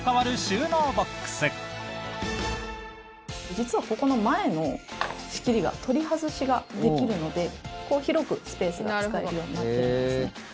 実は、ここの前の仕切りが取り外しできるので広くスペースが使えるようになってるんですね。